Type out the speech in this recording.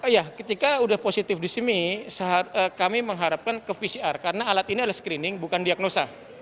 ya ketika sudah positif di sini kami mengharapkan ke pcr karena alat ini adalah screening bukan diagnosa